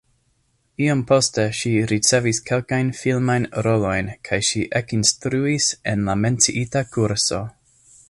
Iom poste ŝi ricevis kelkajn filmajn rolojn kaj ŝi ekinstruis en la menciita kurso.